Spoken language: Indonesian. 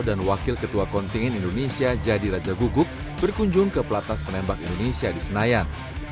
dan wakil ketua kontingin indonesia jadil raja gugup berkunjung ke pelatnas penembak indonesia di senayan